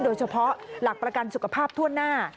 โดยเฉพาะหลักประกันสุขภาพถ้วนหน้า